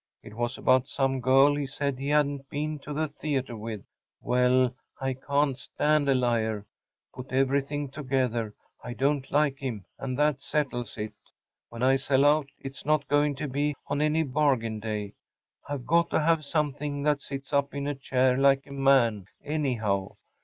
It was about some girl he said he hadn’t been to the theater with. Well, I can’t stand a liar. Put everything together‚ÄĒI don’t like him; and that settles it. When I sell out it’s not going to be on any bargain day. I’ve got to have something that sits up in a chair like a man, anyhow.